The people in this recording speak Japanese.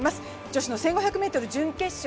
女子の１５００ｍ準決勝